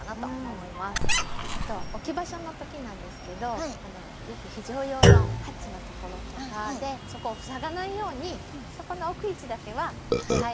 あと置き場所の時なんですけどよく非常用のハッチのところとかそこを塞がないようにそこの置く位置だけは気をつけて。